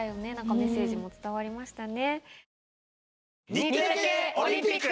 メッセージも伝わりましたね。